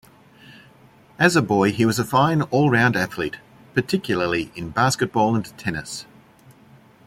As a boy he was a fine all-round athlete, particularly in basketball and tennis.